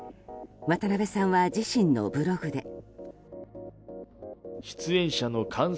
渡辺さんは自身のブログで。